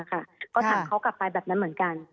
ก็ถามเขากลับไปแบบนั้นเหมือนกัน